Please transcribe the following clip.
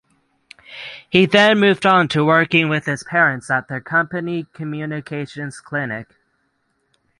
He then moved on to working with his parents at their company Communications Clinic.